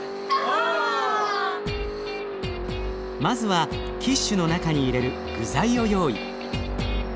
まずはキッシュの中に入れる具材を用意。